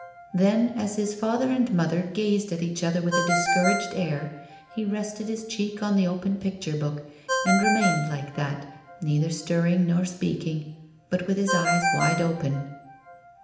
Then, as his father and mother gazed at each other with a discouraged air, he rested his cheek on the open picture book, and remained like that, neither stirring nor speaking, but with his eyes wide open.